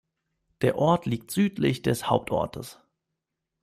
Der Ort liegt südlich des Hauptortes.